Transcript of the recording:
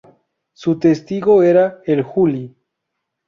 Su Testigo era "El Juli".